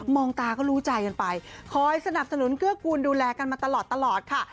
องตาก็รู้ใจกันไปคอยสนับสนุนเกื้อกูลดูแลกันมาตลอดตลอดค่ะ